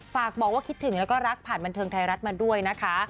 ฝากบอกว่าคิดถึงแล้วก็รักผ่านบันเทิงไทยรัฐมาด้วยนะคะ